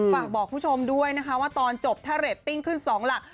ฝากบอกคุณผู้ชมด้วยนะคะว่าตอนจบถ้าเรตติ้งขึ้น๒หลัก